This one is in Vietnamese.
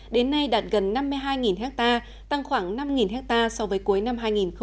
đến nay đạt gần năm mươi hai hectare tăng khoảng năm hectare so với cuối năm hai nghìn một mươi bảy